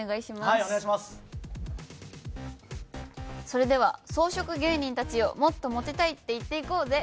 それでは「草食芸人たちよ！もっとモテたい！って言っていこうぜ」